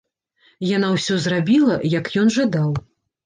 Яна ўсё зрабіла, як ён жадаў.